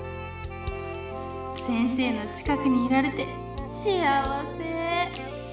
先生の近くにいられて幸せ！